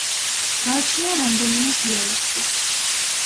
გააჩნია რამდენიმე დიალექტი.